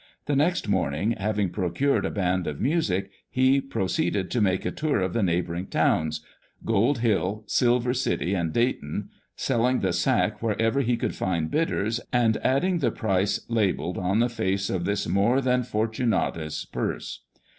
The next morning, having procured a band of music, he proceeded to make a tour of the neighbouring towns, Gold Hill, Silver City, and Dayton, selling the sack wherever he could find bidders, and adding the price labelled on the face of this more than Fortunatus purse.